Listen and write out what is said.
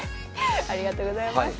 ありがとうございます。